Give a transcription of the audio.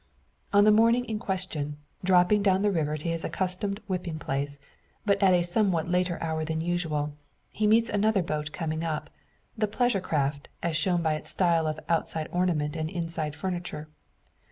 On the morning in question, dropping down the river to his accustomed whipping place, but at a somewhat later hour than usual, he meets another boat coming up a pleasure craft, as shown by its style of outside ornament and inside furniture.